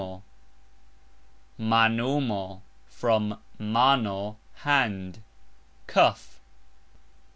manumo (" "mano", hand), cuff.